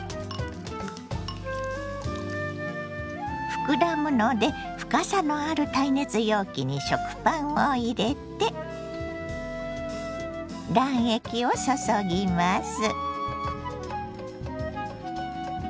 膨らむので深さのある耐熱容器に食パンを入れて卵液を注ぎます。